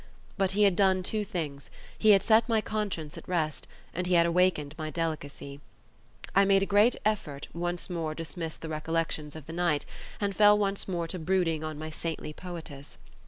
But he had done two things: he had set my conscience at rest, and he had awakened my delicacy. I made a great effort, once more dismissed the recollections of the night, and fell once more to brooding on my saintly poetess.